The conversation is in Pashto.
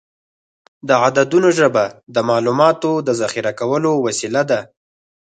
د عددونو ژبه د معلوماتو د ذخیره کولو وسیله ده.